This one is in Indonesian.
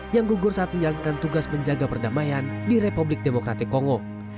yang gugur saat menjalankan tugas menjaga perdamaian di republik demokratik kongo